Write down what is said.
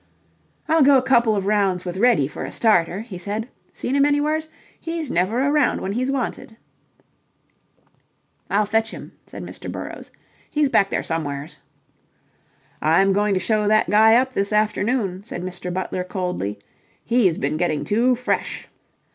"I'll go a couple of rounds with Reddy for a starter," he said. "Seen him anywheres? He's never around when he's wanted." "I'll fetch him," said Mr. Burrowes. "He's back there somewheres." "I'm going to show that guy up this afternoon," said Mr. Butler coldly. "He's been getting too fresh."